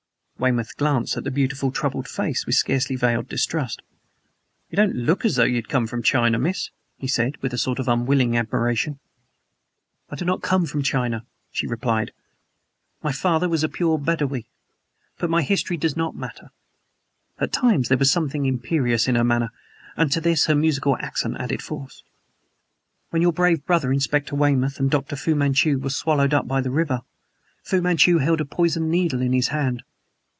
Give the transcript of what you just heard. Weymouth glanced at the beautiful, troubled face with scarcely veiled distrust. "You don't look as though you had come from China, miss," he said, with a sort of unwilling admiration. "I do not come from China," replied Karamaneh. "My father was a pure Bedawee. But my history does not matter." (At times there was something imperious in her manner; and to this her musical accent added force.) "When your brave brother, Inspector Weymouth, and Dr. Fu Manchu, were swallowed up by the river, Fu Manchu held a poisoned needle in his hand.